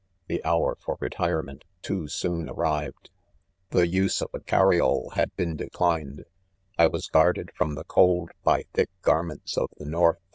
* The hour for retirement too soon arrived 5 the use of a carioh 1ia.d been declined*' 1 was guarded from the cold by thick garments of the north